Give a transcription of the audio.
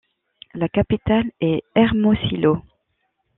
La capitale est Hermosillo.